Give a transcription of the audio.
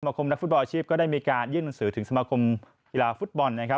คมนักฟุตบอลอาชีพก็ได้มีการยื่นหนังสือถึงสมาคมกีฬาฟุตบอลนะครับ